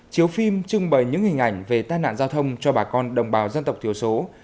chiếu phim trưng bày những hình ảnh về tai nạn giao thông cho bà con đồng bào dân tộc thiểu số